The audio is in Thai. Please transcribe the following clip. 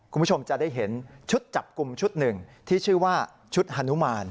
คุณผู้ชมจะได้เห็นชุดจับกลุ่มชุดหนึ่งที่ชื่อว่าชุดฮานุมาน